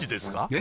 え？